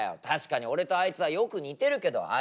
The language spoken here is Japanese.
確かに俺とあいつはよく似てるけど。